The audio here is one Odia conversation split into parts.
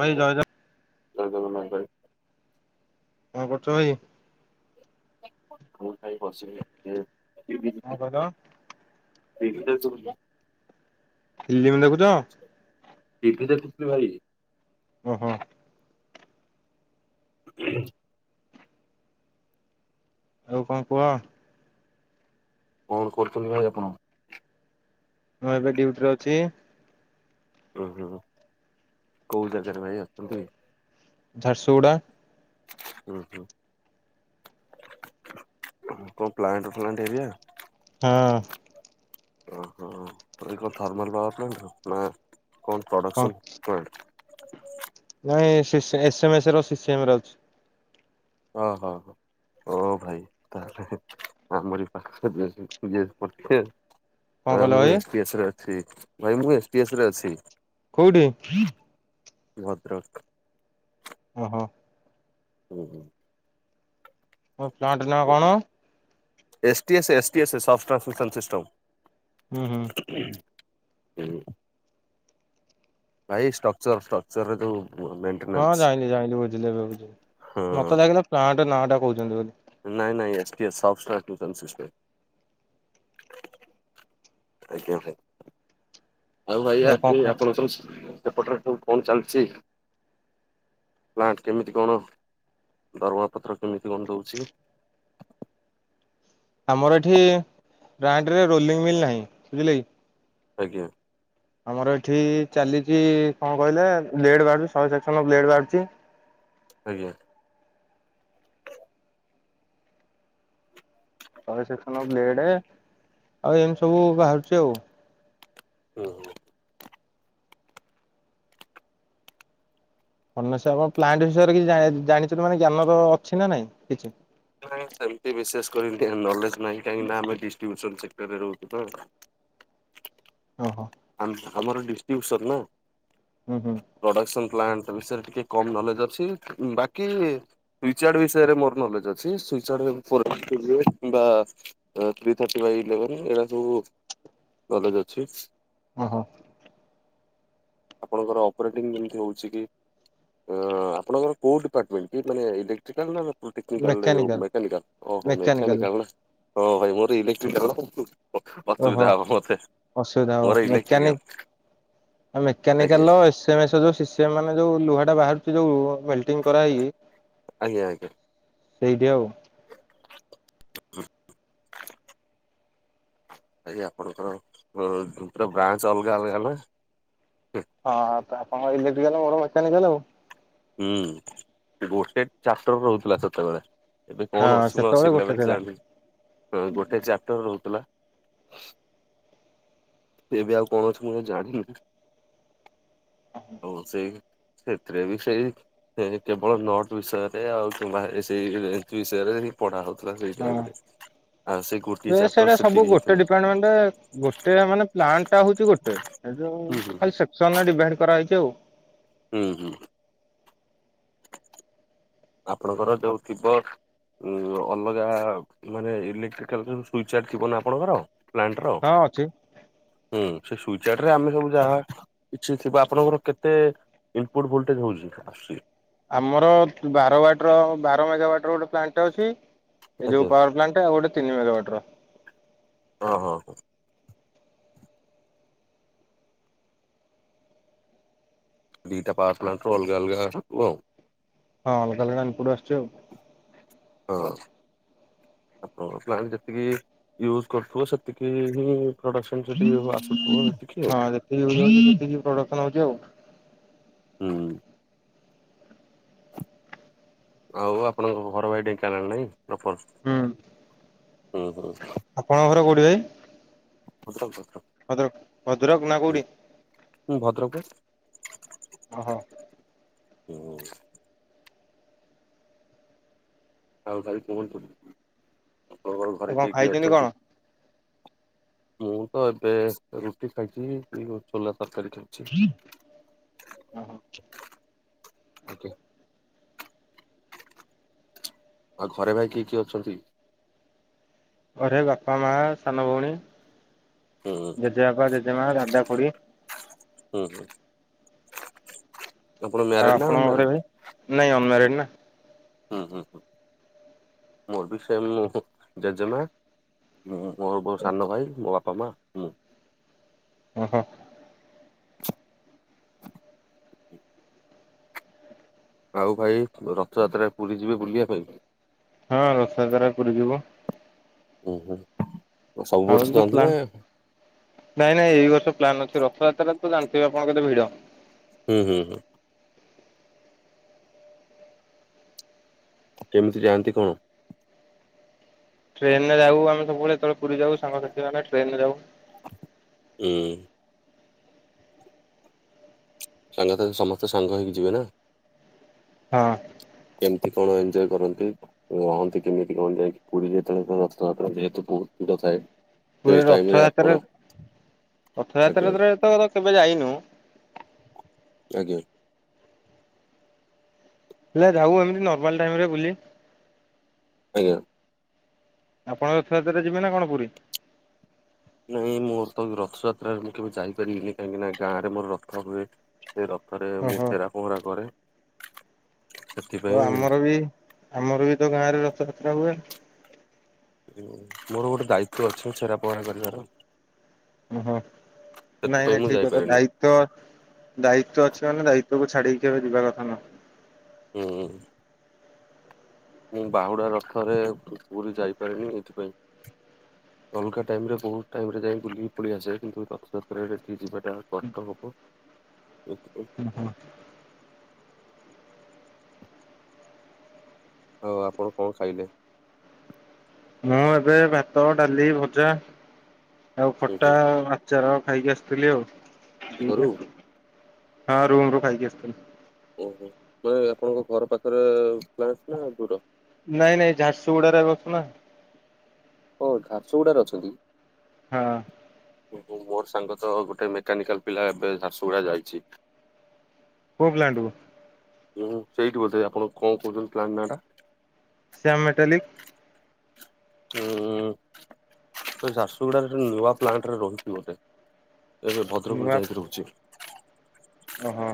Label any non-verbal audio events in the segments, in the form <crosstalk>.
ଭାଇ ଜୟେ ଜ ଜୟେ ଜଗନ୍ନାଥ ଭାଇ। କଣ କରୁଚ ଭାଇ? ମୁଁ କାଇ ବସିବି <unintelligible> କଣ କହିଲ ଠିକ ସେ ଶୁଭୁଚି। ଫିଲିମ୍ ଦେଖୁଚ? ଟି ଭି ଦେଖୁଥିଲି ଭାଇ। ଓହୋ। ଆଉ କଣ କୁହ? କଣ କରୁଚନ୍ତିି ଭାଇ ଆପଣ? ମୁଁ ଏବେ ଡିୟୁଟିରେ ଅଛି। ଉଁ ହୁଁ କୋଉ ଜାଗାରେ ଭାଇ ଅଛନ୍ତି? ଝାର୍ସୁଗୁଡ଼ା। ଉଁ ହୁଁ କଣ ପ୍ଲାଣ୍ଟ ଫ୍ଲାଣ୍ଟ ଏରିଆ? ହଁ। ଓହୋ ଏ କଣ ଥର୍ମାଲ ପାୱାର ପ୍ଲାଣ୍ଟର ନା କଣ ପ୍ରଡକ୍ସନ ପଏଣ୍ଟ? ନାଇଁ ସେ ସେ ଏସ୍ ଏମ ଏସ୍ ର ସି ସେମ୍ ରେ ଅଛି। ଓହୋ ହୋ ଓ ଭାଇ। ତାହଲେ ଆମରି ପାଖରେ ଇଏ ପଡିଚି। କଣ ଭାଇ କହିଲ ମୁଁ ଏସ୍ ଟି ଏସ ରେ ଅଛି ଭାଇ ମୁଁ ଏସ୍ ଟି ଏସ ରେ ଅଛି। କୋଉଠି? ଭଦ୍ରକ। ଓହୋ। ହୁଁ ହୁଁ। ତମ ପ୍ଲାଣ୍ଟ ନାଁ କଣ? S T S S T S shop ଟ୍ରାଫିକାଲ୍ system. ଉ ହୁଁ। <unintelligible> ଭାଇ ଷ୍ଟ୍ରକ୍ଚର ଷ୍ଟ୍ରକ୍ଚରରେ ଯୋଉ ବ ମେ ହଁ ଜାଇଁଲି, ଜାଣିଲି ବୁଝିଲି ଏବେ ବୁଝିଲି, ହଁ ମୋତେ ଲାଗିଲା ପ୍ଲାଣ୍ଟ ନାଁ ଟା କହୁଛନ୍ତି ବୋଲି। ନାଇଁ ନାଇଁ S T S soft <unintelligible> mission system. <unintelligible> ଆଜ୍ଞା ଭାଇ ଆଉ କଣ <unintelligible> ଖ ସେପଟରେ ସବୁ କଣ ଚାଲିଛି? ପ୍ଲାଣ୍ଟ କେମିତି କଣ ଦରମା ପତ୍ର କେମିତି କଣ ଦଉଛି ‌? ଆମର ଏଠି ପ୍ଲାଣ୍ଡରେ ରୋଲିଂ ମିଲ୍ ନାହିଁ, ବୁଝିଲେକି? ଆଜ୍ଞା। ଆମର ଏଠି ଚାଲିଛି କଣ କହିଲେ ବ୍ଲେଡ ବାହାରୁଛି ଶହେ ସେକ୍ସନ ବ୍ଲେଡ ବାହାରୁଛି। ଆଜ୍ଞା। ଶହେ ସେକ୍ସନ ର ବ୍ଲେଡ ଆଉ ଏମିତି ସବୁ ବାହାରୁଛି ଆଉ। ହୁଁ। ଫନେସ ଆମ ପ୍ଲାଣ୍ଟ ବିଷୟରେ କିଛି ଜା-ଜାଣିଛନ୍ତି ମାନେ ଜ୍ଞାନ ତ ଅଛି ନା ନାଇଁ କିଛି? ନାଁଇ ସେମିତି ବିଶେଷ କରି ନଲେଜ ନାହିଁ କାହିଁକି ନା ଆମେ ଡିଷ୍ଟ୍ରିବ୍ୟୁସନ ସେକ୍ଟରରେ ରହୁଛୁ ନା। ଓହୋଃ। ଆମ-ଆମର ଡିଷ୍ଟ୍ରିବୁସନ ନା। ହୁଁ ହୁଁ। ପ୍ରଡକ୍ସନ ପ୍ଲାଣ୍ଟ ବିଷୟରେ ଟିକେ କମ୍ ନଲେଜ ଅଛି ବାକି ରିଚାର୍ଡ ବିଷୟରେ ମୋର ନଲେଜ୍ ଅଛି, ସେ ରିଚାର୍ଡ ରେ ମୁଁ <inaudible> ବା ଏ ଥ୍ରୀ ଥାର୍ଟି ବାଇ ଇଲେଭେନ ଏଇଟା ସବୁ ନଲେଜ ଅଛି। ଓହୋଃ। ଆପଣଙ୍କର ଅପରେଟିଂ ଯେମିତି ହଉଛି କି ଆଁ ଆପଣଙ୍କର କୋଉ ଡିପାର୍ଟମେଣ୍ଟ କି ମାନେ ଇଲେକ୍ଟ୍ରିକାଲ ନା ହଁ ଟେକ୍ନିକାଲ୍ ରେ ଯାଉ ମେକାନିକାଲ ମେକାନିକାଲ୍, ଓହୋ, ମେକାନିକାଲ ମେକାନିକାଲ୍ ନା ହଁ ଭାଇ ମୋର ଇଲେକ୍ଟ୍ରିକକାଲ ନା ଭାଇ ମୁଁ ପକ୍ ଓହୋ ଅସୁବିଧା ହେବ ମୋତେ। ଅସୁବିଧା ହବ, ମେକାନିକ ଆଜ୍ଞା ମେକାନିକାଲସ ସେ <unintelligible> ଯୋଉ ଶିଷ୍ୟ ମାନେ ଯୋଉ ଲୁହା ଟା ବାହାରୁଛି ଯୋଉ, ମେଲଟିଂ କରାହେଇକି ଆଜ୍ଞା ଆଜ୍ଞା ସେଇଠି ଆଉ। ହୁଁ। ଆଜ୍ଞା ଆପଣଙ୍କର ଉଁ ପୁରା ବ୍ରାଞ୍ଚ ଅଲଗା ଅଲଗା ନାଁ। ହଁ ତ ଆପଣଙ୍କ ର ଇଲେକ୍ଟ୍ରିକାଲ ମୋର ମେକାନିକାଲ ଆଉ। ହୁଁ, ଗୋଟେ ଚାପଟର ରହୁଥିଲା ସେତେବେଳେ। ଏଵେ କଣ ହଁ ସେତେବେଳେ ଗୋଟେ ଥିଲା <unintelligible> ହଁ ଗୋଟେ ଚାପଟର ରହୁଥିଲା। ସେ ଏବେ ଆଉ କଣ ଅଛି ମୁଁ ଜାଣିନି। ହଉ ସେଇ ବି ସେଥିରେ ବି ସେଇ କେବଳ ନଟ୍ ବିଷୟରେ ଆଉ କିମ୍ବା ସେଇ ରେଞ୍ଚ ବିଷୟରେ କି ପଢା ହଉଥିଲା ସେଇ ଟାଇମରେ। ଆଉ ସେ କୁର ସେ ସେଇଟା ସବୁ ଗୋଟେ ଡିପାର୍ଟମେଣ୍ଟ ଗୋଟେ ମାନେ ପ୍ଲାନଟା ହଉଛି ଗୋଟେ। ଏଇ ଯଉ ହୁଁ ହୁଁ ହୁଁ। ଖାଲି ସେକ୍ସନରେ ଡିଭାଇଡ କରାହେଇଛି ଆଉ। ହୁଁ ହୁଁ। ଆପଣଙ୍କର ଯୋଉ ଥିବ ଉ ଅଲଗା ମାନେ ଇଲେକ୍ଟ୍ରିକାଲ ଯୋଉ ସୁଇଚ ଆଡ ଥିବ ନା ଆପଣଙ୍କର। ପ୍ଲାଣ୍ଟ ର ହଁ ଅଛି। ହୁଁ ସେ ସୁଇଚ୍ ଆଡ୍ରେ ଆମେ ସବୁ ଯାହା କିଛି ଥିବା, ଆପଣଙ୍କର କେତେ ଇନପୁଟ ଭୋଲଟେଜ ହଉଛି ଆସୁଚି? ଆମର ବାରବାଟିର ବାର ମେଗା ୱାଟର ଗୋଟେ ପ୍ଲାଣ୍ଟଟେ ଅଛି। ଏ ଆଜ୍ଞା। ଯୋଉ ପୱାର୍ ପ୍ଲାଣ୍ଟ ଆଉ ଗୋଟେ ତିନି ମେଗାୱାଟ୍ ର। ଓହୋ। ଦିଟା ପାୱାର ପ୍ଲାଣ୍ଟ ରୁ ଅଲଗା ଅଲଗା ଥିବ। ହଁ ଅଲଗା ଅଲଗା ଇନପୁଟ ଆସୁଚି ଆଉ। ହଁ। ଆ ପାୱାର ପ୍ଲାଣ୍ଟ ଯେତିକି ୟୁଜ୍ କରୁଥିବ ସେତିକି ହିଁ ପ୍ରଡକ୍ସନ ସେଠି ଆସୁଥିବ ସେତିକି ଆଉ। ସିଏ <unintelligible> ସେତିକୀ ପ୍ରଡକ୍ସନ ଆଉଛି ଆଉ। ହୁଁ। ଆଉ ଆପଣଙ୍କ ଘର ଭାଇ ଢେଙ୍କାନାଳ ନାଇଁ ପ୍ରପର୍। ହୁଁ। ହୁଁ ହୁଁ। ଆପଣଙ୍କ ଘର କୋଉଠି ଭାଇ? ଭଦ୍ରକ ଭଦ୍ରକ। ଭଦ୍ରକ ଭଦ୍ରକ ନା କୋଉଠି? ହୁଁ ଭଦ୍ରକ ବା। ଓହୋ। ହୁଁ। ଆଉ ଭାଇ କୁହନ୍ତୁ, ଆପଣଙ୍କର ଆଉ ଘରେ କଣ କିଏ କିଏ ଖାଇଛନ୍ତି କଣ? ଅଛନ୍ତି? ମୁଁ ତ ଏବେ ରୁଟି ଖାଇଛି ଏଇ ଚୋଲା ତରକାରି ଖାଇଛି। ଅ ହ। ଆଜ୍ଞା। ଆଉ ଘରେ ଭାଇ କିଏ କିଏ ଅଛନ୍ତି? ଘରେ ବାପା ମା ସାନ ଭଉଣୀ ହୁଁ ଜେଜେବାପା ଜେଜେମା ଦାଦା ଖୁଡି। ହୁଁ ହୁଁ। ଆପଣ ଆଉ ମ୍ୟାରେଡ ନା ଆପଣଙ୍କ ଘରେ ଅନମ୍ୟାରେଡ? ଭାଇ ନାଇଁ ଅନମାରେଡ୍ ନା। ହୁଁ ହୁଁ ହୁଁ ମୋର ବି ସେମ୍ ମୁଁ ଜେଜେମା ମୁଁ ମୁଁ ଆଉ ମୋ ସାନ ଭାଇ ମୋ ବାପା ମା ମୁଁ। ଉଁ ହିଁ। ଆଉ ଭାଇ ରଥଯାତ୍ରାରେ ପୁରୀ ଯିବେ ବୁଲିବା ପାଇଁ? ହଁ ରଥଯାତ୍ରାରେ ପୁରୀ ଯିବୁ। ଉଁ ହୁଁ। ସବୁ ବର୍ଷ ଭାବୁଚି ତ ଯାଆନ୍ତି ନା ପ୍ଲାନ୍ ନାଇଁ ନାଇଁ ଏଇ ବର୍ଷ ପ୍ଲାନ୍ ଅଛି, ରଥଯାତ୍ରାରେ ତ ଜାଣିଥିବେ ଆପଣ କେତେ ଭିଡ। ହୁଁ ହୁଁ ହୁଁ। କେମିତି ଯାଆନ୍ତି କଁ? ଟ୍ରେନ ରେ ଯାଉ ଆମେ, ସବୁବେଳେ ପୁରୀ ଯାଉ ସାଙ୍ଗସାଥିମାନେ ଟ୍ରେନ ରେ ଯାଉ। ଉଁ। ସାଙ୍ଗ ସାଥି ସମସ୍ତେ ସାଙ୍ଗ ହେଇକି ଯିବେ ନା। ହଁ। କେମିତି କଣ ଏଞ୍ଜୟ କରନ୍ତି? ରହନ୍ତି କେମିତି କଁ ଯାଇକି, ପୁରୀରେ ସେତେବେଳେ ତ ରଥାଯାତ୍ରା ଯେହେତୁ ବହୁତ୍ ଭିଡ଼ ଥାଏ? ପୁରୀ ସେଇ ରେ ଟାଇମ ଆପଣ ରଥଯାତ୍ରା ଆଜ୍ଞା ରଥଯାତ୍ରାରେ ତ କେବେ ଯାଇନୁ। ଆଜ୍ଞା। ପିଲା ଯାଉ ଏମିତି ନର୍ମାଲ ଟାଇମ ରେ ବୁଲି। ଆଜ୍ଞା। ଆପଣ ରଥଯାତ୍ରାରେ ଯିବେ ନା କଣ ପୁରୀ? ନାଇଁ ମୋର ତ ରଥଯାତ୍ରାରେ ମୁଁ କେବେ ଯାଇପାରିବିନି କାହିଁକି ନା ଗାଁରେ ମୋର ରଥ ହୁଏ। ସେ ରଥରେ ମୁଁ ଓହୋ ଛେରାପହରା କରେ। ଓ ସେଥିପାଇଁ ଆମର ବି ଆମର ବି ତ ଗାଁ ରେ ରଥଯାତ୍ରା ହୁଏ। ମୋର ଗୋଟେ ଦାୟିତ୍ଵ ଅଛି ଛେରା ପହରା କରିବାର। ଓ ହୋ ନାଇଁ ସେଥିପାଇଁ ନାଇଁ ମୁଁ ଠିକ କଥା ଯାଇପାରେନି ଦାୟ ତ ଦାୟିତ୍ଵ ଅଛି ମାନେ ଦାୟିତ୍ୱ କୁ ଛାଡିକି କେବେ ଯିବା କଥା ନୁହେ। ହୁଁ। ମୁଁ ବାହୁଡା ରଥରେ ପୁରୀ ଯାଇପାରିନି ଏଇଥିପାଇଁ। ଅଲଗା ଟାଇମ୍ ରେ ବହୁତ ଟାଇମ୍ ରେ ଯାଇଁ ବୁଲି ପଳେଇଆସେ କିନ୍ତୁ ରଥଯାତ୍ରାରେ ସେଠିକି ଯିବା ତାହାକଷ୍ଟ ହେବ ଏଥିପାଇଁ। ହଁ ହଁ। ହଉ ଆପଣ କଣ ଖାଇଲେ? ମୁଁ ଏବେ ଭାତ ଡାଲି ଭଜା ଆଉ ହୁଁ ଖଟା ହୁଁ ଆ ଚାର ଖାଇକି ଆସିଥିଲି ଘରୁ ଆଉ ହଁ ରୁମ୍ ରୁ ଖାଇକି ଆସିଥିଲି। ଓହୋ ମାନେ ଆପଣଙ୍କ ଘର ପାଖରେ ପ୍ଲାଣ୍ଟ ନା ଦୂର? ନାଇଁ ନାଇଁ ଝାରସୁଗୁଡାରେ ଏବେ ଅଛୁ ନା। ଓ ଝାରସୁଗୁଡାରେ ଅଛନ୍ତି। ହଁ। ଓହୋ ମୋର ସାଙ୍ଗ ତ ଗୋଟେ ମେକାନିକାଲ୍ ପିଲା ଏବେ ଝାରସୁଗୁଡା ଯାଇଛି। କୋଉ ପ୍ଲାଣ୍ଟ କୁ? ହୁଁ ସେଇଠି ବୋଧେ ଆପଣ କଣ କହୁଛନ୍ତି ପ୍ଲାଣ୍ଟ ନାଁ ଟା? ଶ୍ୟାମ୍ ମେଟାଲିିକ୍। ଉଁ ଝାରସୁଗୁଡାରେ ନୂଆ ପ୍ଲାଣ୍ଟରେ ରହିଛି ବୋଧେ। ଏବେ ଭଦ୍ରକରୁ ଯାଇକି ରହୁଛି। ହଁ ହଁ।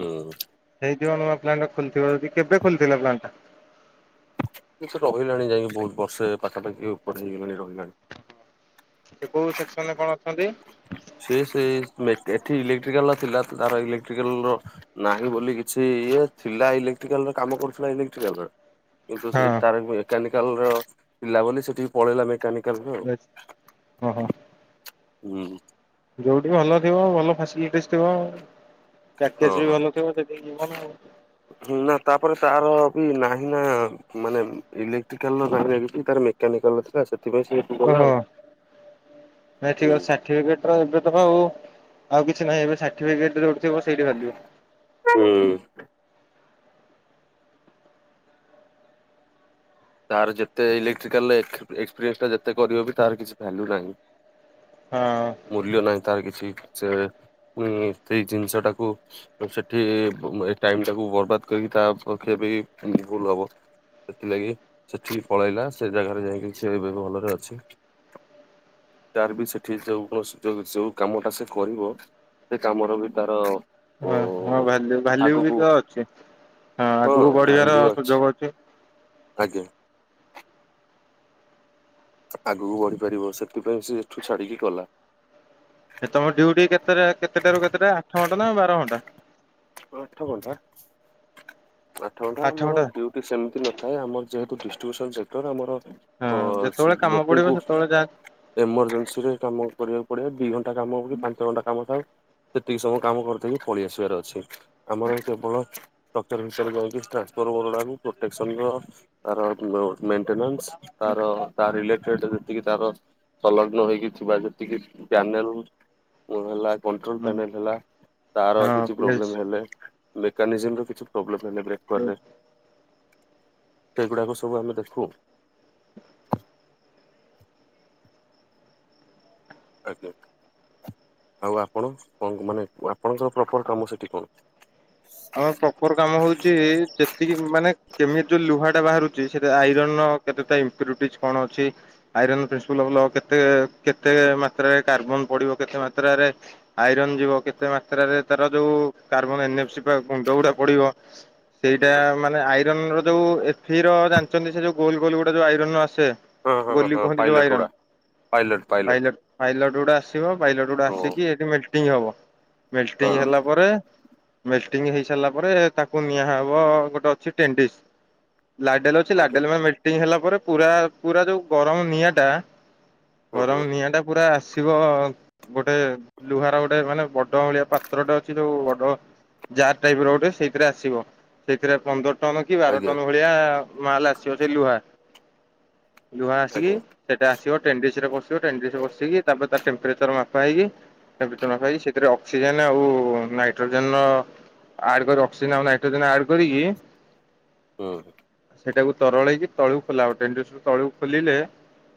ହୁଁ। ହେଇଥିବ ନୂଆ ପ୍ଲାଣ୍ଟ ଖୋଲିଥିବ ଯଦି କେବେ ଖୋଲିଥିଲା ପ୍ଲାଣ୍ଟ ଟା? କି ରହିଲାଣି ଯାଇକି ବହୁତ ବର୍ଷେ ପାଖାପାଖି ଉପରେ ହେଇଗଲାଣି ରହିଲାଣି। ସେ କୋଉ ସେକ୍ସନ ରେ କଣ ଅଛନ୍ତି? ସେ ସେ ଏଠି ଇଲେକ୍ଟ୍ରିକାଲ୍ ଥିଲା ତାର ଇଲେକ୍ଟ୍ରିକାଲ୍ ର ନାହିଁ ବୋଲି କିଛି ଇଏ ଥିଲା ଇଲେକ୍ଟ୍ରିକାଲ୍ ର କାମ କରୁଥିଲା ଇଲେକ୍ଟ୍ରିକାଲ୍ ର। କିନ୍ତୁ ସେ ହଁ ତାର ମେକାନିକାଲ୍ ର ଥିଲା ବୋଲି ସେଠିକି ପଳେଇଲା ମେକାନିକ ବେଶ୍ ହଁ ହଁ। ହୁଁ। ଯୋଉଠି ଭଲ ଥିବ ଭଲ ଫ୍ୟାସିଲିଟିଜ୍ ଥିବ। ପ୍ୟାକେଜ୍ ହଁ ବି ଭଲ ଥିବ ସେଠୀକି ଯିବନା ଆଉ। ହୁଁ ନା ତାପରେ ତାର ବି ନାହିଁ ନା ମାନେ ଇଲେକ୍ଟ୍ରିକାଲ୍ ରହିଲା ଭିତରେ ତାର ମେକାନିକାଲ୍ ର ଥିଲା ସେଥିପାଇଁ ସେ ଗଲା ଓହୋ ଆଉ। ନାଇଁ ଠିକ୍ ଅଛି ସାଠୀ ପିକେଟ୍ ର ତ ଏବେ ସବୁ ଆଉ କିଛି ନାହିଁ ଏବେ ସାର୍ଟିଫିକେଟ୍ ଯୋଉଠିଥିବ ସେଇଠି ଭାବିବ। ହୁଁ। ତାର ଯେତେ ଇଲେକ୍ଟ୍ରିକାଲ୍ ଏ ଏକ୍ସପିରିଏନ୍ସ ଟା ଯେତେ କରିବ ବି ତାର କିଛି ଭ୍ୟାଲ୍ୟୁ ନାହିଁ। ହଁ ମୂଲ୍ୟ ନାହିଁ ତାର କିଛି ସେ ପୁଣି ସେଇ ଜିନିଷ ଟାକୁ ସେଠି ଏ ଟାଇମ୍ ଟାକୁ ବର୍ବାଦ କରିକି ତା ପକ୍ଷେ ବି ଭୁଲ୍ ହବ। ସେଥିଲାଗି ସେଠିକି ପଳେଇଲା ସେ ଜାଗାରେ ଯାଇଁକି ସେ ଏବେ ଭଲରେ ଅଛି। ତାର ବି ସେଠି ଯୋଉ ଯ ଯୋଉ କାମଟା ସେ କରିବ। ସେ କାମର ବି ତାର ଓ ଭାଲୁ ଭାଲ୍ୟୁ ବି ଆଗକୁ ତ ଅଛି ହଁ ହଁ ଆଗକୁ ବଢିବାର ଭାଲ୍ୟୁ ସୁଯୋଗ ଅଛି। ଆଜ୍ଞା। ଆଗକୁ ବଢି ପାରିବ ସେଥିପାଇଁ ସେ ଏଠୁ ଛାଡିକି ଗଲା। ଏ ତମ ଡୁଉଟି କେତଟା କେତେଟାରୁ କେତେଟା ଆଠ ଘଣ୍ଟା ନା ବାର ଘଣ୍ଟା? ହଁ ଆଠ ଘଣ୍ଟା। ଆଠ ଘଣ୍ଟା ଆମର ଡିଉଟି ସେମିତି ନଥାଏ ଆମର ଯେହେତୁ ଡିଷ୍ଟ୍ରିବ୍ୟୁସନ ସେକ୍ଟର ଆମର ହଁ ଅ ସେ ଯେତେବେଳେ କାମ ପଡିବ ଲୋକଙ୍କୁ ସେତେବେଳେ ଯାହା ଏମରଜେନ୍ସିରେ କାମ କରିବାକୁ ପଡେ ଦି ଘଣ୍ଟା କାମକୁ ବି ପାଞ୍ଚ ଘଣ୍ଟା କାମ ଥାଏ। ସେତିକି ସମୟ କାମ କରିଦେଇକି ପଳେଇ ଆସିବାର ଅଛି ଆମର କେବଳ <inaudible> ଟ୍ରାନ୍ସଫର୍ମ ପଡିଲାନି ପ୍ରୋଟେକ୍ସନ ର ତାର ମେଣ୍ଟେନାନ୍ସ ତାର ତା ରିଲେଟେଡ ଯେତିକି ତାର ସଂଲଗ୍ନ ହେଇକି ଥିବା ଯେତିକି ଚ୍ୟାନେଲ ଉଁ ହେଲା କଟ୍ରୋଲ ପେମେଣ୍ଟ ହେଲା ତାର କିଛି ହଁ ପ୍ରୋବ୍ଲେମ ହେଲେ ମେକାନିଜିମ ର କିଛି ପ୍ରୋବ୍ଲେମ ହେଲେ ବ୍ରେକ୍ ରେ ତ ଏଗୁଡାକୁ ସବୁ ଆମେ ଦେଖୁ। ଆଜ୍ଞା ଆଉ ଆପଣ କଣ ମାନେ ଆପଣଙ୍କର ପ୍ରପର କାମ ସେଠି କଣ? ଆମର ପ୍ରପର କାମ ହଉଛି ଯେତିକି ମାନେ କେମିତି ଯୋଉ ଲୁହା ଟା ବାହାରୁଛି ସେଟା ଆଇରନ କେତେ ତା ଇମ୍ପ୍ୟୁରିଟିଜ କଣ ଅଛି। ଆଇରନ୍ ପ୍ରିନ୍ସିପଲ କେତେ କେତେ ମାତ୍ରାରେ କାର୍ବନ ପଡିବ କେତେ ମାତ୍ରାରେ ଆଇରନ୍ ଯିବ କେତେ ମାତ୍ରାରେ ତାର ଯୋଉ କାର୍ବନ ଏନେପ ସିପ ବା ଗୁଣ୍ଡ ଗୁଡା ପଡିବ ସେଇଟା କଣ? ମାନେ ଆଇରନ ର ଯୋଉ ଏ ଫୀର ଜାଣିଛନ୍ତି ସେ ଯୋଉ ଗୋଲ୍ ଗୋଲ୍ ଗୋଟେ ଯୋଉ ଆଇରନରୁ ଆସେ? ହଁ ହଁ ହଁ ଗୋଲି ହଁ କୁହନ୍ତି ଯୋଉ ପାଇଲଟ ଆଇରନ୍ ଗୁଡା ପାଇଲଟ। ବାଇଲଟ ଗୁଡା ଆସିବ ବାଇଲଟ ଗୁଡା ଓ ଆସିକି ଏଠି ମେଲଟିଂ ହବ ହଁ ମେଲଟିଂ ହେଲା ପରେ ମେଲଟିଂ ହେଇ ସାରିଲା ପରେ ତାକୁ ନିଆହବ ଗୋଟେ ଅଛି ଟେଣ୍ଡିସ୍ ଲାଡେଲ ଛି ଆଜ୍ଞା ଲାଡେଲ ମାନେ ମେଲଟିଂ ହେଲା ପରେ ପୁରା ପୁରା ଯୋଉ ଗରମ ନିଆଁ ଟା ହୁଁ ହୁଁ ଗରମ ନିଆଁ ଟା ପୁରା ଆସି ଥିବ ଗୋଟେ ଲୁହାର ଗୋଟେ ମାନେ ବଡ ଭଳିଆ ପାତ୍ରଟେ ଅଛି ଯୋଉ ବଡ ଯାର ଟାଇପ୍ ର ଗୋଟେ ସେଇଥିରେ ଆସିବ ସେଇଥିରେ ପନ୍ଦର ଟନ୍ କି ବାର ଆଜ୍ଞା ଟନ୍ ଭଳି ଭଳିଆ ମାଲ୍ ଆସିବ ସେ ଲୁହା ଲୁହା ଆସିକି ଆଜ୍ଞା ସେଟା ଆସିବ ଟେଣ୍ଡିିସ ରେ ପସିବ ଟେଣ୍ଡିସ ରେ ପସିକି ତାପରେ ତା ଟେମ୍ପ୍ରେଚର ମାପା ହେଇକି ତା ଭିତରେ ରଖା ହେଇ ସେଥିରେ ଅକ୍ସିଜେନ୍ ଆଉ ନାଇଟ୍ରୋଜେନ୍ ର ଆଡ କରି ଅକ୍ସିଜେନ ଆଉ ନାଇଟ୍ରୋଜେନ୍ ଆଡ୍ କରିକି ହୁଁ ହୁଁ। ସେଇଟାକୁ ତରଳେଇ କି ତଳକୁ ଖୋଲା ହବ ଟେଣ୍ଡୁସ ରୁ ତଳୁ ଖୋଲିଲେ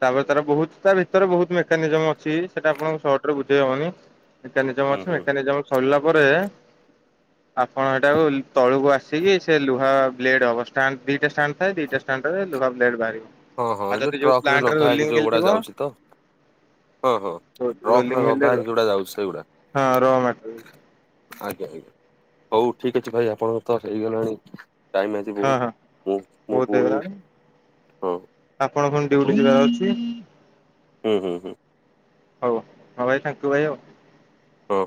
ତାପରେ ତାର ବହୁତ୍ ତା ଭିତରେ ବହୁତ୍ ମେକାନିଜମ ଅଛି ସେଟା ଆପଣଙ୍କୁ ସର୍ଟ ରେ ବୁଝେଇ ହବନି। ମେକାନିଜମ ହୁଁ ଅଛି ହୁଁ ମେକାନିଜମ ସରିଲା ପରେ ଆପଣ ହେଟାକୁ ଲ ତଳୁକୁ ଆସିକି ସେ ଲୁହା ବ୍ଲେଡ୍ ହବ ଷ୍ଟାଣ୍ଡ ଦିଟା ଷ୍ଟାଣ୍ଡ ଥାଏ ଦିଟା ଷ୍ଟାଣ୍ଡ ରେ ଲୁହା ବ୍ଲେଡ ବାହାରିବ। ଓହୋ ଆଉ ଯୋଉ ଯଦି ଟ୍ରକ୍ ରେ ପ୍ଲାଣ୍ଟରେ ନଦା ହେଇକି ରୋଲିଂ ଯୋଉ ମିଲ୍ ଗୁଡା ଥିବ ଯାଉଛି ତ? ଓହୋ ଟ୍ରକ୍ ରୋଲିଂ ରେ ମିଲ୍ ନଦା ହେଇକି ଯୋଉଗୁଡା ଯାଉଛି ସେଇଗୁଡା। ହଁ ର ମଟେରିଆଲ ଆଜ୍ଞା ଆଜ୍ଞା ହଉ ଠିକ୍ ଅଛି ଭାଇ ଆପଣଙ୍କ ତ ହେଇଗଲାଣି ଟାଇମ୍ ଆଜି ହଁ ବହୁତ୍ ହଁ ମୁଁ ମୁଁ ବହୁତ ପୁଣି ହେଇଗଲାଣି ହଁ ଆପଣ ଫୁଣି ଡିଉଟି ଆପଣଙ୍କୁ ଯିବାର ଅଛି। ହୁଁ ହୁଁ ହୁଁ। ହଉ ହଁ ଭାଇ ଥାଙ୍କୁ ଭାଇ ଆଉ। ହଉ।